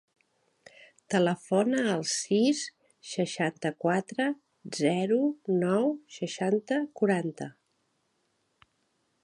Telefona al sis, seixanta-quatre, zero, nou, seixanta, quaranta.